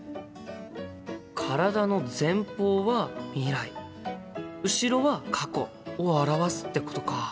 体の前方は未来後ろは過去を表すってことか。